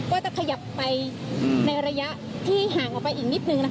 ก็จะขยับไปในระยะที่ห่าง